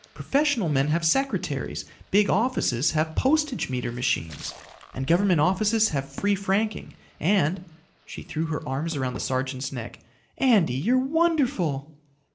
Professional men have secretaries. Big offices have postage meter machines. And government offices have free franking. And" she threw her arms around the sergeant's neck "Andy, you're wonderful."